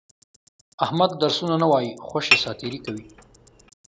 احمد درسونه نه وایي، خوشې ساتېري کوي.